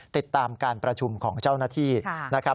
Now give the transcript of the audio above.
ติดตามการประชุมของเจ้าหน้าที่นะครับ